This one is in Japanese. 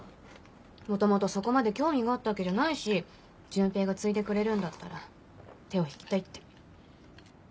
元々そこまで興味があったわけじゃないし潤平が継いでくれるんだったら手を引きたいって。